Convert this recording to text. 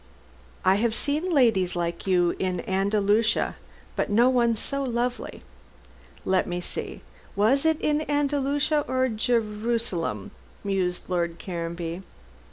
I have seen ladies like you in Andalusia, but no one so lovely. Let me see, was it in Andalusia or Jerusalem?" mused Lord Caranby.